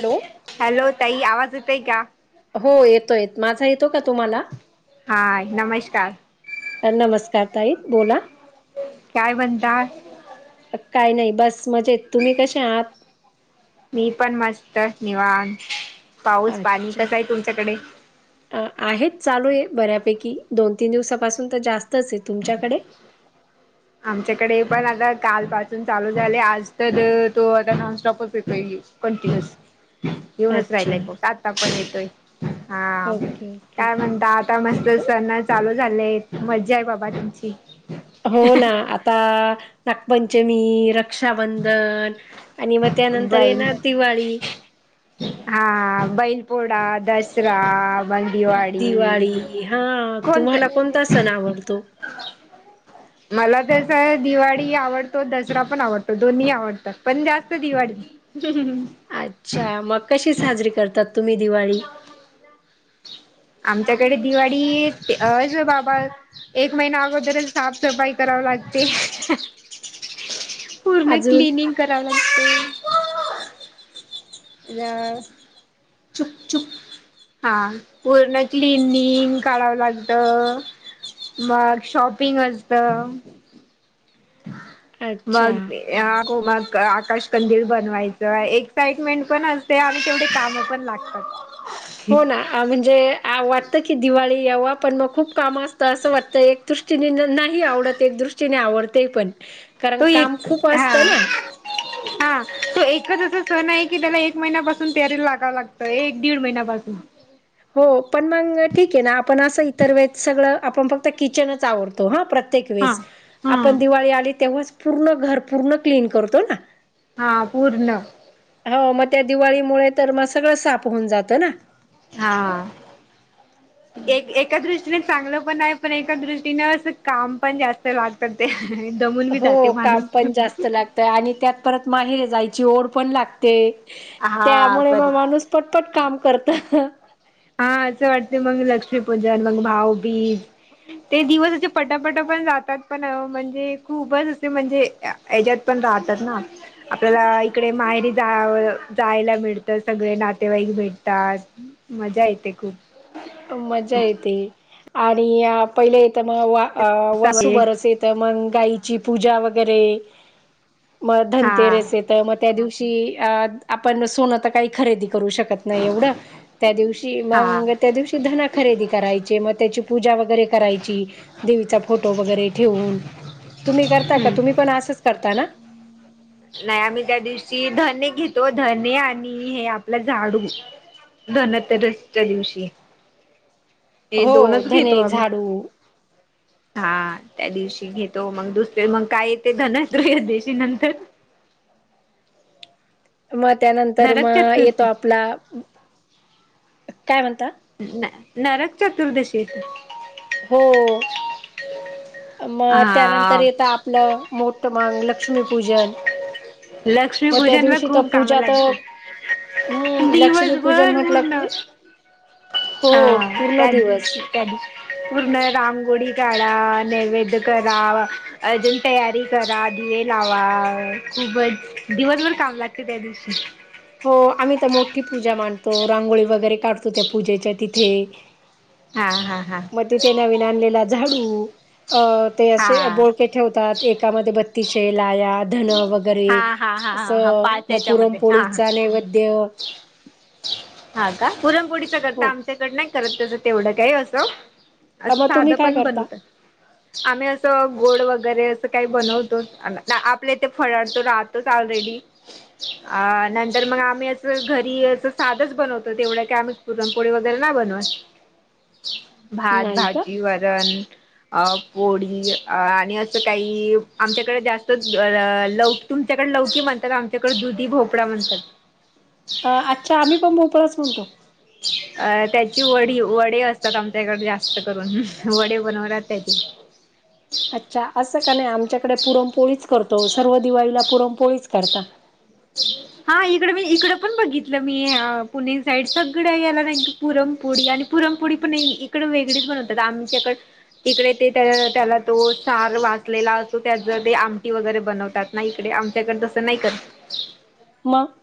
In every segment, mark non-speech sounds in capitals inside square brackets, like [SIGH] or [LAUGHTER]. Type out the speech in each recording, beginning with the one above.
Hello. Hello ताई आवाज येतय का? हो येतो येत.. माझा येतो का तुम्हाला? हा नमस्कार! नमस्कार ताई बोला! काय म्हणता? काही नाही बस मजेत.. तुम्ही कसे आहात? मी पण मस्त निवांत.. पाऊस पाणी अच्छा कसं आहे तुमच्याकडे? आहेत चालू आहे.. बऱ्यापैकी दोन तीन दिवसापासून तर जास्तच आहे.. तुमच्याकडे? आमच्याकडे पण आता कालपासून चालू झाले.. आज तर तो आता नॉनस्टॉपच येतोय.. कंटिन्युअस येेऊनच अच्छा राहिलय पाऊस आता आपण येतोय हा ओके ओके काय म्हणत आ आता मस्त सण चालू झाले आहेत.. मज्जा आहे बाबा तुमची.. हो ना आता नागपंचमी, रक्षाबंधन आणि मग त्यानंतर बैल येणार दिवाळी हा बैलपोळा, दसरा मग दिवाळी, दिवाळी हा कोणत तुम्हाला कोणता सण आवडतो मला तस दिवाळी आवडतो, दसरा पण आवडतो दोन्ही आवडतात पण जास्त दिवाळी ह हम ह... अच्छा मग कशी साजरी करतात तुम्ही दिवाळी? आमच्याकडे दिवाळीच होय बाबा एक महिना अगोदर साफसफाई करावी लागते पूर्ण अजून क्लिनिंग कराव लागते चुप चुप हा पूर्ण क्लिनिंग काढावं लागत मग शॉपिंग असत मग अच्छा होम आकाश कंदील बनवायचं एक्साइटमेंट पण असते आम्ही तेवढे कामं पण लागत हा हो ना म्हणजे वाटतं की दिवाळी यावा पण मग खूप काम असतं असं वाटतं एक दृष्टीने नाही आवडत एक दृष्टीने आवडते पण कारण तो एक काम खूप हा असतं ना हा तो एकच असा सण आहे की त्याला एक महिन्यापासून तयारीला लागावं लागतं एक दीड महिन्यापासून हो पण मग ठीक आहे ना आपण असं इतर वेळेत सगळं आपण फक्त किचनच आवरतो हा प्रत्येक हा वेळेस हा आपण दिवाळी आली तेव्हाच पूर्ण घर पूर्ण क्लीन करतो ना हा पूर्ण हो मग त्या दिवाळीमुळे तर मग सगळं साफ होऊन जातं ना हा एक एक एका दृष्टीने चांगलं पण आहे पण एका दृष्टीने असं काम पण जास्त लाग ते दमून बी जाते हो माणूस काम पण जास्त लागतं आणि त्यात परत माहेरी जायची ओढ पण लागते हा त्यामुळे बर मग माणूस पटपट काम करतं हा असं वाटते मग लक्ष्मीपूजन मग भाऊबीज ते दिवसाचे पटापट पण जातात पण म्हणजे खूपच असे म्हणजे ह्यांच्यात पण राहतात ना आपल्याला इकडे माहेरी जाव जायला मिळतं सगळे नातेवाईक जायला भेटतात मज्जा येते खूप. मज्जा येते आणि पहिले येतं मग वा वासू बरस येत ते मग गायची पूजा वगैरे म हा धनतेरेस तर मग त्या दिव ची अ आपण सोनं तर का खरेदी करू शकत नाही एवढं त्या दिवशी हा मग त्या दिवशी धनं खरेदी करायची मग त्याची पूजा वगैरे करायची. देवीचा फोटो वगैरे ठेवून तुम्ही करता का तुम्ही पण असंच करता ना? नाही आम्ही त्या दिवशी धणे घेतो धणे आणि हे आपलं झाडू. धनतेरसच्या दिवशी. हे हो दोनच घेतो धने आम्ही. झाडू हा त्या दिवशी घेतो मग दुसरे मग काय येते धनत्रयोदशी दिवशी नंतर? मग त्यानंतर नरक मग येतो चतुर्थी आपला काय म्हणता? न नरक चतुर्दशी. हो मग त्यानंतर हा येत आपलं मोटमांग, लक्ष्मीपूजन. लक्ष्मी मग त्या पूजनला दिवशी तर खूप काम पूजा तर लागत्यात. हम्म लक्ष्मीपूजन दिवसभर म्हटलं उरलं. की हा हो पूर्ण त्या दिवस दिवशी त्याच दिवशी. पूर्ण रांगोळी काढा, नैवेद करा अजून तयारी करा दिवे लावा खूपच दिवसभर काम लागतं त्या दिवशी. हो आम्ही तर मोठी पूजा मांडतो रांगोळी वगैरे काढतो त्या पूजेच्या तिथे. हा हा हा. मग तिथे नवीन आणलेला झाडू अ ते असे हा हा ते ठेवतात एकामध्ये बत्तीशे लाह्या धन वगैरे हा हा हा हा असं पाच मग याच्यामध्ये हा हा पुरमपोळीचा नैवेद्य. हा का पुरणपोळीचा करता हो आमचं त्यांच्याकडं नाही करत त्याच तेवढं काही असं, असं मग तुम्ही साधं काय पण करता बनवतात. आम्ही असं गोड वगैरे असं काही बनवतो आपल्या येथे फळचे राहतोच ऑलरेडी. अ नंतर मग आम्ही अस घरी साधच बनवतो तेवढं क आम्ही पुरणपोळी वगैरे ना बनवात भात, नाही का भाजी, वरण अ पोळी आणि असं काही आमच्याकडे जास्त ल तुमच्याकडे लवकी म्हणतात आमच्याकडे दुधी भोपळा म्हणतात. अ अच्छा आम्ही पण भोपळाच म्हणतो. अ त्याची वडी वडे असतात आमच्या इकडे जास्त करून वडे बनवतात त्याची अच्छा असं का नाही आमच्याकडे पुरमपोळीच करतो सर्व दिवाळीला पुरमपोळीच करता. हा इकड मी इकड पण बघितलं मी पुणे साईड सगळं याला ना पुरणपोळी आणि पुरणपोळी पण इकडं वेगळीच बनवतात आमच्याकडे इकडे ते त्या त्याला तो सार वाचलेला असतो त्याच ते आमटी वगैरे बनवतात. नाहीकडे आमच्याकडे तसं नाही करत. मग?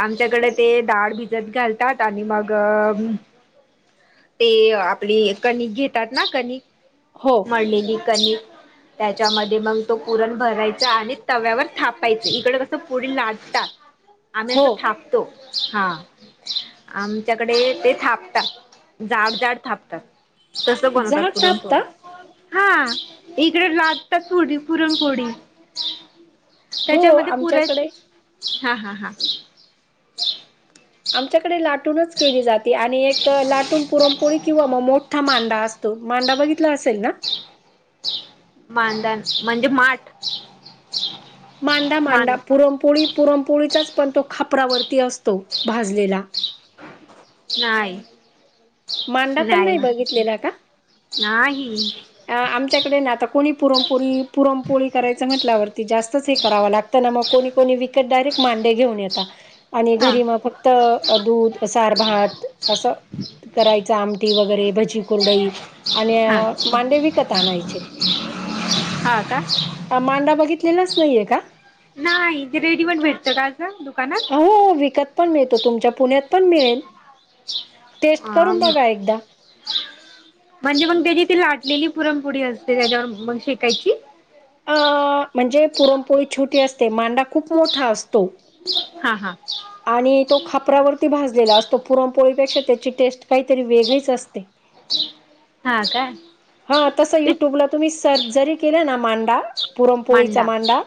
आमच्याकडे ते डाळ भिजत घालतात आणि मग ते आपली कणिक घेतात ना कणिक हो मळलेली कणिक. त्याच्यामध्ये मग तो पुरण भरायचा आणि तव्यावर थापायच इकड कसं पुरी लाटतात. आम्ही हो असं थाकतो हा. आमच्याकडे तेच थापता, जाड जाड थापतात. तसं बनवतात झाड पुुरूनपोळी. थापता हा, इकडे लाटतात पुरणपोळी. हो त्याच्यामध्ये पुरन, आमच्याकडे हा हा हा. आमच्याकडे लाटूनच केली जाते, आणि एक लाटून पुरणपोळी किंवा मग मोठा मांडा असतो. मांडा बघितला असेल ना. मांधन म्हणजे माठ. मांडा मान मांडा पुरमपोळी पुरमपोळीचाच पण तो खापरावरती असतो, भाजलेला. नाही. मांडा पण नाही बघितलेला का? नाही आमच्याकडे ना आता कोणी पुरनपोळी पुरमपोळी करायचं म्हटल्यावरती जास्तच हे करावं लागतं. मग कोणी कोणी विकेत डायरेक्ट मांडे घेऊन येता आणि हा घरी म फक्त दूध सार भात असं करायच आमटी वगैरे भजी कुरडई आणि हा मांडे विकत आणायचे. हा का मांडा बघितलेलाच नाहीये का? नाही,, ते रेडीमेड भेटत का असं, दुकानात. हो विकत पण मिळतो, तुमच्या पुण्यात पण मिळेल, टेस्ट अ करून बघा एकदा् म्हणजे मग त्याची ती लाटलेली पुरणपोळी असते त्याच्यावर मग शेकायची. अ म्हणजे पुरमपोळी छोटी असते, मांडा खूप मोठा असतो. हा हा. आणि तो खापरावरती भाजलेला असतो, पुरणपोळीपेक्षा त्याची टेस्ट काहीतरी वेगळीच असते. हा काय. हा, तसं ते युट्यूबला तुम्ही सर्च जरी केलं ना मांडा पुरमपोळीचा मांडा,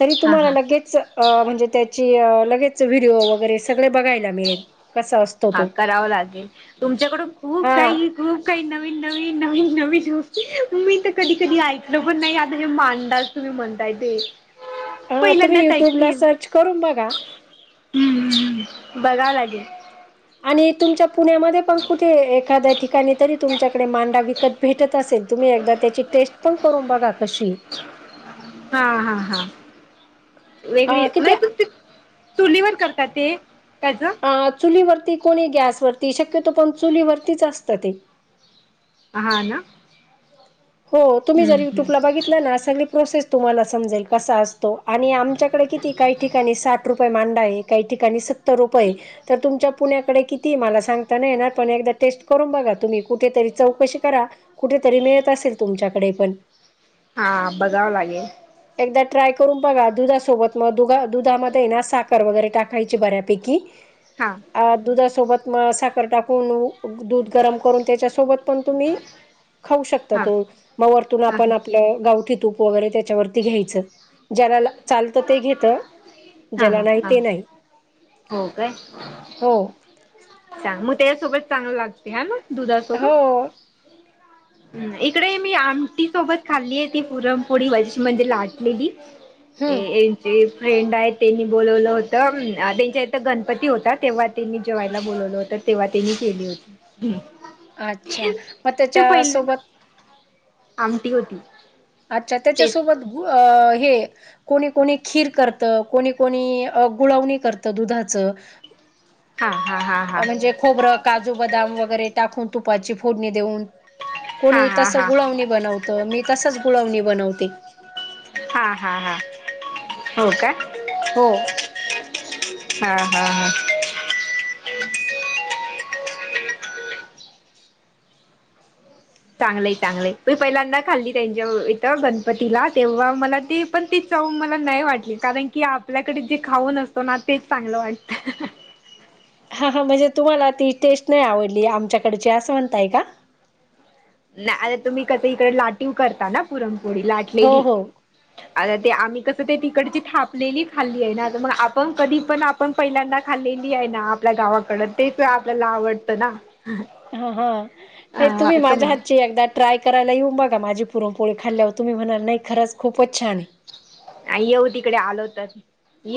तरी हा तुम्हाला हा लगेच म्, हणजे त्याची लगेच डिओ वगैरे सगळे बघायला मिळेल, कसं अस हा करावं लागेल, तुमच्याकड खूप हा काही खूप काही नवीन नवीन नवीन नवीन गोस् मी तर कधी कधी ऐकलं पण नाही, आता हे मांडाच, तुम्ही म्हणताय ते. हा तुम्ही पहिल्यांदाच युट्युब ला सर्च करून बघा. हम्म्, बघावं लागेल. आणि तुमच्या पुण्यामध्ये पण कुठे एखाद्या ठिकाणी तरी तुमच्याकडे मांडा विकत भेटत असेल, तुम्ही एक त्याची टेस्ट पण करून बघा कशीय. हा हा हा वेगळीय, अ नाही किती पण ते चुलीवर करतात ते, त्याचं हा चुलीवरती कोणी गॅसवररती, शक्यतो पण चुलीवररतीच असतं ते. हा ना. हो, तुम्ही हम्म जर हम्म युट्यूबला बघितल ना, सगळी प्रोसेस तुम्हाला समजेल कसा असतो, आणि आम तुमच्याकडं किती? काही ठिकाणी साठ रुपये मांडा आहे, तर काही ठिकाणी सत्तर रुपये, तर तुमच्या पुण्याकडे कितीय मला सांगता नाही येणार, पण एकदा टेस्ट करून बघा, तुम्ही कुठेतरी चौकशी करा. कुठेतरी मिळत असेल तुमच्याकडे पण. हां बघावं लागेल. एकदा ट्राय करून बघा दुधासोबत, मग दुधामध्ये ना साखर वगैरे टाक खायची बऱ्यापैकी. हां. अ दुधासोबत म साखर टाकून उ दूध गरम करून त्याच्यासोबत पण तुम्ही खाऊ शकता हा तो, म वरतून हा आपण हा आपलं गावठी तूप वगैरे त्याच्यावरती घ्यायचं ज्याला ला चालतं ते घेत ज्याला हा नाही हा ते नाही. हो काय? हो. चांन मग त्यासोबत चांगलं लागते हे ना दुधासोबत? हो. हम्म इकडे मी आमटी सोबत खाल्ली आहे ती पुरनपोळी [INAUDIBLE] म्हणजे लाटलेली. ये हम्म ये ते फ्रेंड आहेत तेनी बोलावलं होत उम त्यांच्या इथं गणपती होता तेव्हा तेनी जेवा ला बोलावलं होत तेव्हा त्यांनी केली होती हम्म. आच्छा मग त्याच्या सोबत? आमटी होती. अच्छा तेच त्याच्यासोबत गु अ हे कोणी कोणी खीर करतं, कोणी कोणी अ गुळावणी करत दुधाचं. हा हा हा हा म्हणजे खोबरं काजू बदाम वगैरे टाकून तुपाची फोडणी देऊन हा कोणी हा तसं हा गुळवणी बनवत मी तसच गुळवणी बनवते. हा हा हा हो का [INAUDIBLE] हो. हा हा हा [INAUDIBLE] चांगलंय चांगलंय मी पहिल्यांदा खाल्ली त्यांच्या इथं गणपतीला तेव्हा मला ती पण ती चव मला नाही वाटली कारण की आपल्याकडे जे खाऊन असतो ना तेच चांगलं वाटत. हा हा म्हणजे तुम्हाला ती टेस्ट नाही आवडली आमच्याकडची असं म्हणताय का? ना अरे तुम्ही कस इकडे लाटीव करता ना पुरणपोळी हो लाटलेली. हो आर ते आम्ही कसं ते तिकडची थापलेली खाल्ली आहे ना मग आपण कधी पण आप पण पहिल्यांदा खाल्लेली आहे ना आपल्या गावाकडं तेच आपल्याला आवडतं ना. हा हा नाही हा तुम्ही असं माझ्या हात ची म्हणा एकदा ट्राय करायला येऊन बघा, माझी पुरणपोळी खाल्ल्यावर तुम्ही म्हणाल नाही खरंच खूपच छान आहे. आ येऊ तिकडे आलो तर.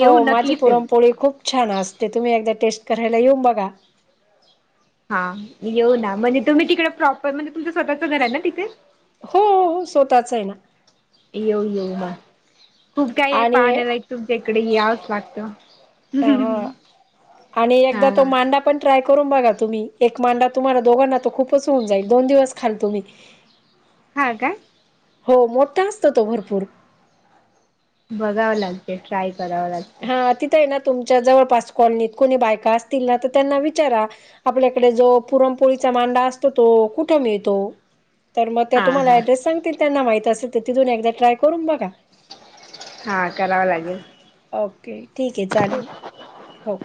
हो माझी नक्कीच येऊ पुरनपोळी खूप छान असते तुम्ही एकदा टेस्ट करायला येऊन बघा. हा येऊ ना म्हणजे तुम्ही तिकडे प्रॉपर म्हणजे तुमचं स्वतःचं घर आहे ना तिथे? हो हो स्वतःच आहे ना. येऊ येऊ मंग खूप काही आहे आणि पाहण्या लायक तुमच्या इकडे यावंच लागत. हो हो आणि एकदा तो हा मांडा ट्राय करून बघा तुम्ही एक मांडा तुम्हाला तर दोघांना तर खूप खूपच होऊन जाईल दोन दिवस खाल तुम्ही हा का? हो मोठा असतो तो भरपूर. बघावं लागते ट्राय करावं लागते. हा तिथ आहे ना तुमच्या जवळपास कॉलनीत कोणी बायका असतील ना तर त्यांना विचारा. आपल्याकडे जो पुरणपोळीचा मांडा असतो तो कुठं मिळतो. तर मग त्या हा तुम्हाला हा ऍड्रेस सांगतील त्यांना माहित असेल तर तिथून एकदा ट्राय करून बघा. हा करावा लागेल. ओके ठीक आहे चालेल, हो.